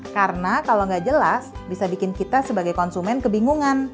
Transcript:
karena kalo gak jelas bisa bikin kita sebagai konsumen kebingungan